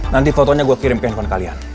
nanti fotonya gue kirim ke handphone kalian